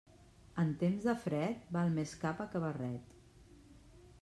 En temps de fred, val més capa que barret.